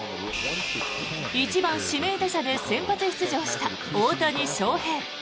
１番指名打者で先発出場した大谷翔平。